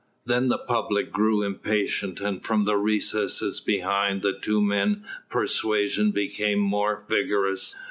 Then the public grew impatient, and from the recess behind the two men persuasion became more vigorous.